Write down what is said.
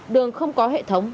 đường không có hệ thống